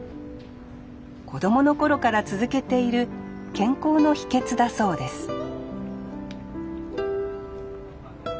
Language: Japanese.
子供の頃から続けている健康の秘けつだそうです